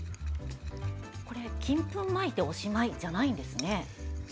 金粉をまいておしまいじゃないんですね。